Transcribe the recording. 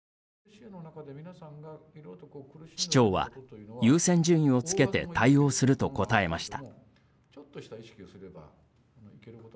市長は、優先順位をつけて対応すると答えました。